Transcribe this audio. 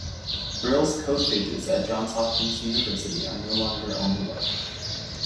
Brill's code pages at Johns Hopkins University are no longer on the web.